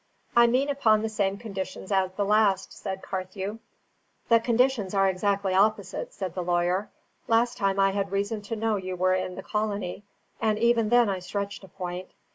"I mean upon the same conditions as the last," said Carthew. "The conditions are exactly opposite," said the lawyer. "Last time I had reason to know you were in the colony; and even then I stretched a point.